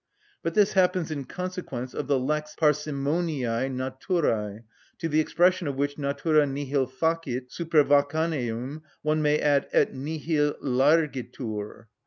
But this happens in consequence of the lex parsimoniæ naturæ, to the expression of which natura nihil facit supervacaneum one may add et nihil largitur.